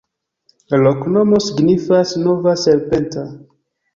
La loknomo signifas: nova-serpenta.